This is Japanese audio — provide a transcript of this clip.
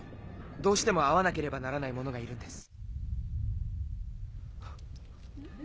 どうしても会わなければならない者がいるんです。